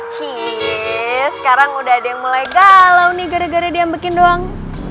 cieeees sekarang udah ada yang mulai galau nih gara gara diambekin doang